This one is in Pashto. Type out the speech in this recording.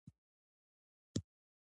دوی برقي او میخانیکي برخې لري.